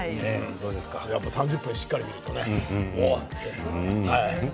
３０分しっかり見るとおおって。